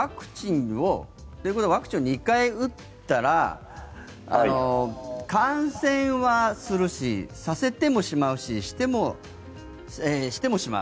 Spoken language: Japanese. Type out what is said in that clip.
ということはワクチンを２回打ったら感染はするし、させてもしまうししても、しまう。